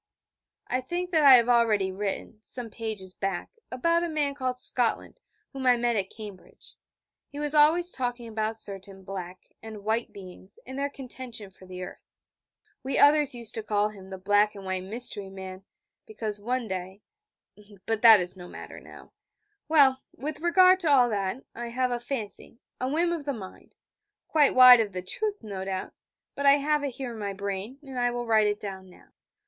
I think that I have already written, some pages back, about a man called Scotland, whom I met at Cambridge. He was always talking about certain 'Black' and 'White' beings, and their contention for the earth. We others used to call him the black and white mystery man, because, one day but that is no matter now. Well, with regard to all that, I have a fancy, a whim of the mind quite wide of the truth, no doubt but I have it here in my brain, and I will write it down now.